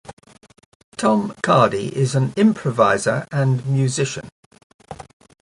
Tom Cardy is an improviser and musician.